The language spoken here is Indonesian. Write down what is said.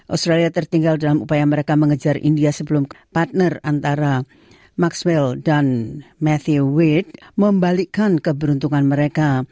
australia tertinggal dalam upaya mereka mengejar india sebelum partner antara maxwell dan matthea with membalikkan keberuntungan mereka